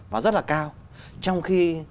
và rất là cao trong khi